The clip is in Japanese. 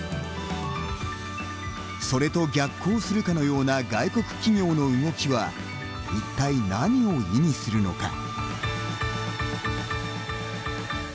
それと逆行するかのような外国企業の動きは一体、何を意味するのか。